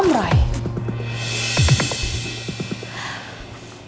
muka dari siapa